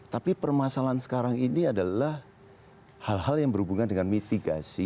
tapi permasalahan sekarang ini adalah hal hal yang berhubungan dengan mitigasi